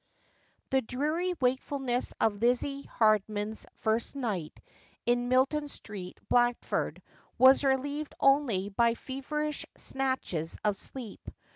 The dreary wakefulness of Lizzie Hardman's first night in Milton Street, Blackford, was relieved only by feverish snatches of sleep.